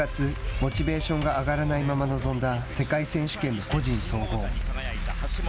モチベーションが上がらないまま臨んだ世界選手権の個人総合。